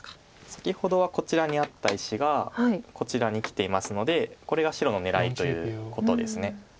先ほどはこちらにあった石がこちらにきていますのでこれが白の狙いということです。